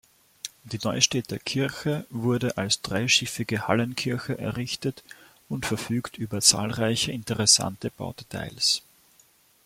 Die Neustädter Kirche wurde als dreischiffige Hallenkirche errichtet und verfügt über zahlreiche interessante Baudetails.